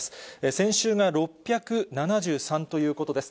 先週が６７３ということです。